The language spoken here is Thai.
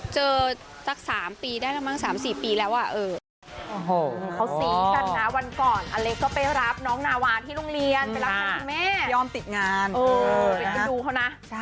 เจอสัก๓ปีได้แล้วมั้ง๓๔ปีแล้ว